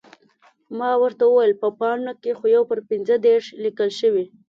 ما ورته وویل، په پاڼه کې خو یو پر پنځه دېرش لیکل شوي.